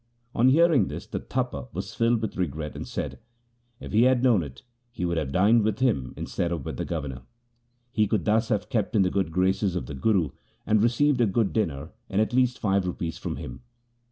On hearing this the Tapa was filled with regret and said, if he had known it, he would have dined with him instead of with the governor. He could thus have kept in the good graces of the Guru, and received a good dinner and at least five rupees from him.